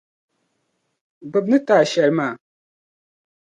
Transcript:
Gbibi n ni ti a shεli maa.